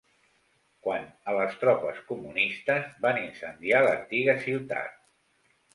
Quant a les tropes comunistes, van incendiar l'antiga ciutat.